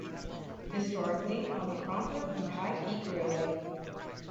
Historically on the Cromford and High Peak Railway.